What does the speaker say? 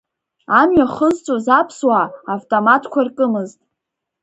Амҩа хызҵәоз аԥсуаа автоматқәа ркымызт.